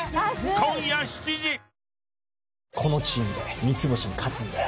このチームで三ツ星に勝つんだよ。